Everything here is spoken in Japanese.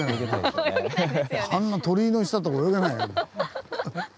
あんな鳥居の下とか泳げないよ。